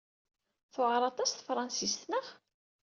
Tewɛeṛ aṭas tefṛensist, naɣ?